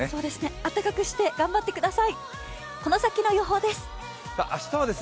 暖かくして頑張ってください。